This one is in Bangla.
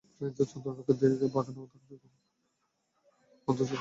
ফ্রান্সে চন্দ্রনৌকাদুই দিকে বাঁকানো দেখতে অনেকটা অর্ধচন্দ্রের মতো করে নৌকাটি বানানো হয়।